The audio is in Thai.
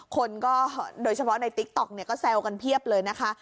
คนก็โดยเฉพาะในติ๊กต๊อกเนี่ยก็แซวกันเพียบเลยนะคะ